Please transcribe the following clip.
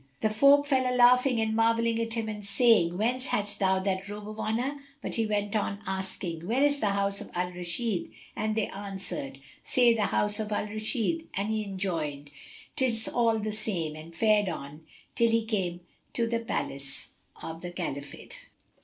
The folk fell a laughing and marvelling at him and saying, "Whence hadst thou that robe of honour?" But he went on, asking, "Where is the house of Al Rashád[FN#284]?;" and they answered, "Say, 'The house of Al Rashíd';" and he rejoined, "'Tis all the same," and fared on, till he came to the Palace of the Caliphate.